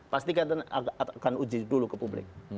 pastikan akan uji dulu ke publik